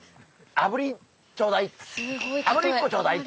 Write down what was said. あぶり１個ちょうだい！